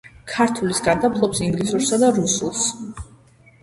ქართულის გარდა ფლობს ინგლისურსა და რუსულს.